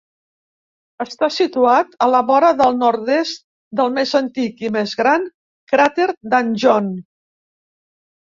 Està situat a la vora del nord-est del més antic i més gran cràter Danjon.